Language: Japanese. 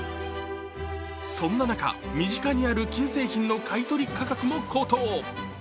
そんな中、身近にある金製品の買い取り価格も高騰。